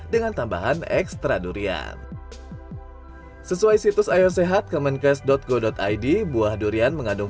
dengan tambahan ekstra durian sesuai situs ayosehat kemenkes go id buah durian mengandung